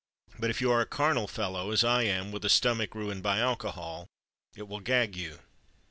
But if you are a carnal fellow, as I am, with a stomach ruined by alcohol, it will gag you.